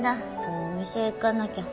もうお店行かなきゃ。